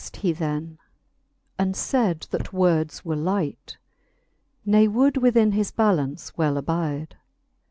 Wroth wext he then, and fayd, that words were light, Ne weiild within his ballaunce well abide.